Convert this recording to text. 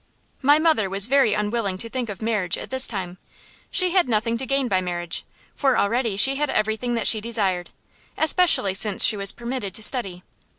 My mother was very unwilling to think of marriage at this time. She had nothing to gain by marriage, for already she had everything that she desired, especially since she was permitted to study.